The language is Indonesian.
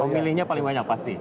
pemilihnya paling banyak pasti